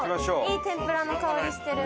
いい天ぷらの香りしてる！